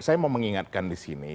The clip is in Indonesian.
saya mau mengingatkan di sini